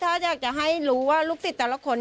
ถ้าอยากจะให้รู้ว่าลูกสิสฯ